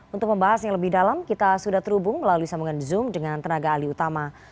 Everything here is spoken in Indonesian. untuk membahas yang lebih dalam kita sudah terhubung melalui sambungan zoom dengan tenaga alih utama